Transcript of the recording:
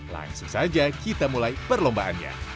langsung saja kita mulai perlombaannya